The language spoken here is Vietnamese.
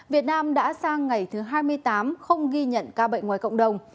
việt nam đã sang ngày thứ hai mươi tám không ghi nhận ca bệnh ngoài cộng đồng